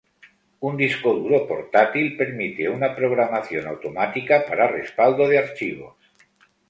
Un disco duro portátil permite una programación automática para respaldo de archivos.